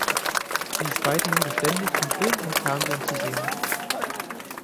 Sie ist weiterhin beständig in Film und Fernsehen zu sehen.